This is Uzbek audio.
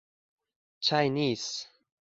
Chinese